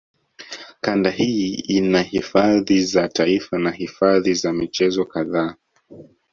Kanda hii ina hifadhi za taifa na hifadhi za michezo kadhaa